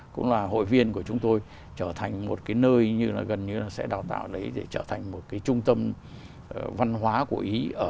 cũng là hội viên của chúng tôi trở thành một cái nơi như là gần như là sẽ đào tạo đấy để trở thành một cái trung tâm văn hóa của ý